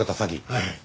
はい。